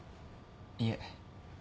いえ。